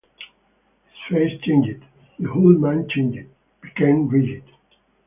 His face changed, the whole man changed, became rigid.